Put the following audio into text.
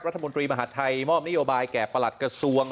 รัฐมนตรีมหาดไทยมอบนโยบายแก่ประหลัดกระทรวง